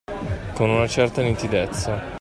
Con una certa nitidezza.